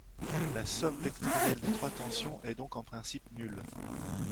La somme vectorielle des trois tensions est donc en principe nulle.